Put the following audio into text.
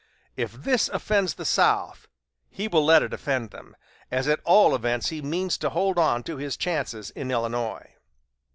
If this offends the South, he will let it offend them, as at all events he means to hold on to his chances in Illinois."